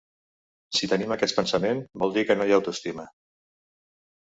Si tenim aquest pensament, vol dir que no hi ha autoestima.